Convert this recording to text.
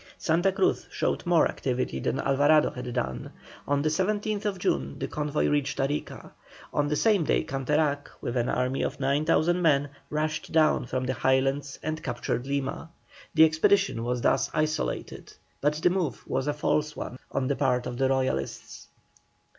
Santa Cruz showed more activity than Alvarado had done. On the 17th June the convoy reached Arica. On that same day Canterac, with an army of 9,000 men, rushed down from the Highlands and captured Lima. The expedition was thus isolated, but the move was a false one on the part of the Royalists.